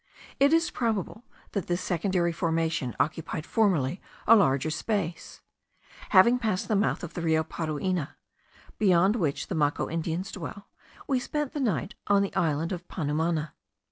It is probable, that this secondary formation occupied formerly a larger space. Having passed the mouth of the Rio Parueni, beyond which the Maco Indians dwell, we spent the night on the island of Panumana.